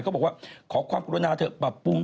บอกว่าขอความกรุณาเถอะปรับปรุง